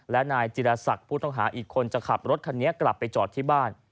และนายจิรศักดิ์ผู้ต้องหาอีกคนจะขับรถคันนี้กลับไปจอดที่บ้าน